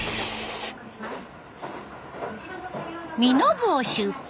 身延を出発。